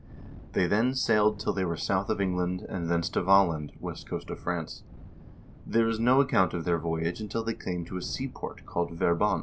"They then sailed till they were south of England, and thence to Valland (west coast of France). There is no account of their voyage until they came to a seaport called Verbon.